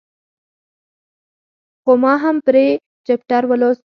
خو ما هم پرې چپټر ولوست.